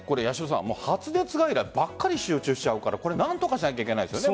発熱外来ばっかり集中しちゃうから何とかしなきゃいけないですね。